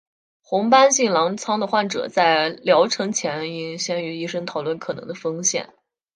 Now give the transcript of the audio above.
红斑性狼疮的患者在疗程前应先与医生讨论可能的风险。